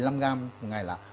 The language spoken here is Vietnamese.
một ngày là